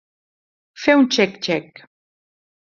Fer un xec-xec.